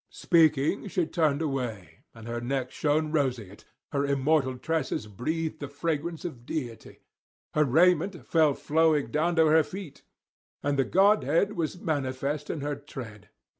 Speaking she turned away, and her neck shone roseate, her immortal tresses breathed the fragrance of deity; her raiment fell flowing down to her feet, and the godhead was manifest in her tread.